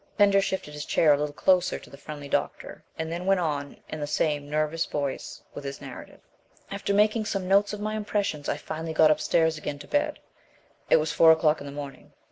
Pender shifted his chair a little closer to the friendly doctor and then went on in the same nervous voice with his narrative. "After making some notes of my impressions I finally got upstairs again to bed. It was four o'clock in the morning.